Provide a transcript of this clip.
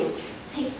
はい。